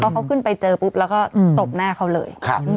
เขาขึ้นไปเจอปุ๊บแล้วก็ตบหน้าเขาเลย